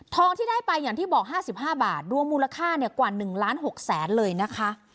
ทองที่ได้ไปอย่างที่บอกห้าสิบห้าบาทรวมมูลค่าเนี้ยกว่าหนึ่งล้านหกแสนเลยนะคะ